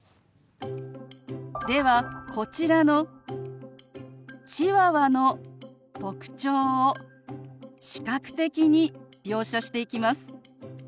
ではこちらのチワワの特徴を視覚的に描写していきます。